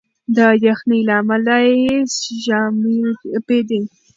د یخنۍ له امله یې ژامې رپېدې.